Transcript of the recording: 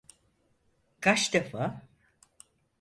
Kaç defa?